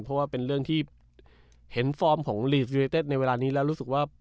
เพราะว่าเป็นเรื่องที่เห็นฟอร์มของลีกยูเนเต็ดในเวลานี้แล้วรู้สึกว่า